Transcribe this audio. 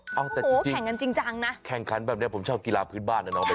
โอ้โฮแต่จริงนะแข่งขันแบบนี้ผมชอบกีฬาพื้นบ้านนะน้องเฮ้ยค่ะ